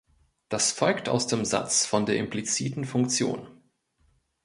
Das folgt aus dem Satz von der impliziten Funktion.